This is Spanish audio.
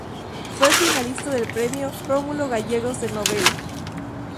Fue finalista del premio Rómulo Gallegos de Novela.